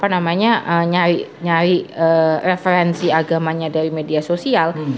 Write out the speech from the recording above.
namanya nyari referensi agamanya dari media sosial